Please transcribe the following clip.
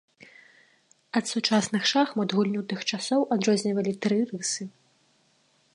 Ад сучасных шахмат гульню тых часоў адрознівалі тры рысы.